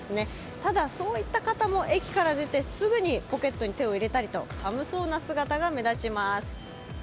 ただ、そういった方も駅から出てすぐにポケットに手を入れたりと寒そうな姿が目立ちます。